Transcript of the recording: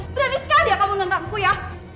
berani sekali ya kamu menentangku ya